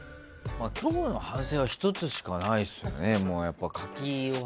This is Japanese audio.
今日の反省は１つしかないですよね。